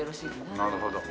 なるほど。